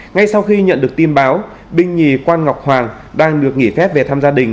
ngay sau khi nhận được tin báo binh nhì quan ngọc hoàng đang được nghỉ phép về thăm gia đình